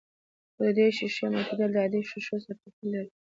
خو د دې ښيښې ماتېدل د عادي ښيښو سره توپير لري.